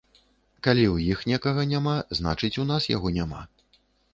Калі ў іх некага няма, значыць у нас яго няма.